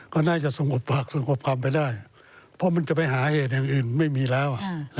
ก็น่าจะสงบปากสงบคำไปได้เพราะมันจะไปหาเหตุอย่างอื่นไม่มีแล้ว